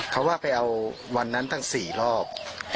เขาว่าไปเอาวันนั้นตั้ง๔รอบ